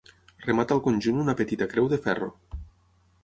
Remata el conjunt una petita creu de ferro.